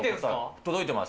届いてます。